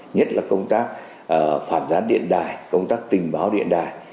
nhất là công tác phản gián điện đài công tác tình báo điện đài